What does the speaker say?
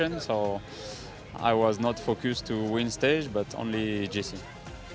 jadi saya tidak fokus untuk menang tanjakan tapi hanya menang